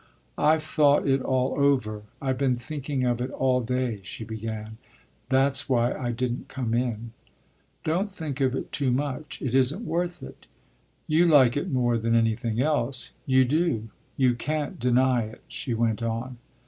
"I've thought it all over; I've been thinking of it all day," she began. "That's why I didn't come in." "Don't think of it too much; it isn't worth it." "You like it more than anything else. You do you can't deny it," she went on.